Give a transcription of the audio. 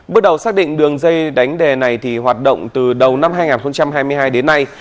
bước đầu xác định đường dây đánh đề này hoạt động từ đầu năm hai nghìn hai mươi hai đến nay